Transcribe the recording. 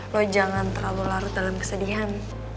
lo jangan terlalu larut dalam kesedihan